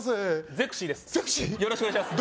ゼクシィです